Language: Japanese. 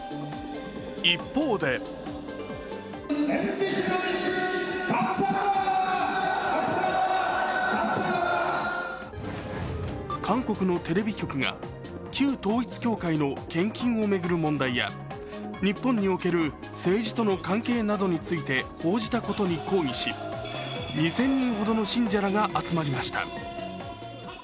一方で韓国のテレビ局が旧統一教会の献金を巡る問題や日本における政治との関係などについて報じたことに抗議し２０００人ほどの信者らが集まりました。